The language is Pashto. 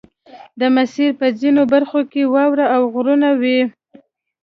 د مسیر په ځینو برخو کې واورې او غرونه وو